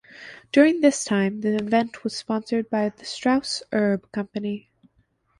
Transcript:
During this time the event was sponsored by the Strauss Herb Company.